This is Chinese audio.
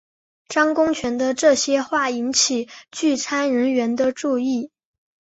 张公权的这些话引起聚餐成员的注意。